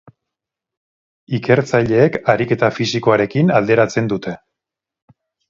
Ikertzaileek ariketa fisikoarekin alderatzen dute.